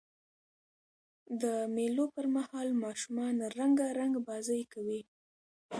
د مېلو پر مهال ماشومان رنګارنګ بازۍ کوي.